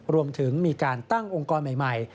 รวมถึงมีการตั้งองค์กรใหม่